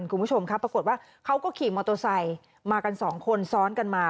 คุณผู้ชมครับปรากฏว่าเขาก็ขี่มอเตอร์ไซค์มากันสองคนซ้อนกันมา